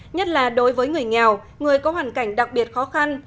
nhất là đối với người nghèo người có hoàn cảnh đặc biệt khó khăn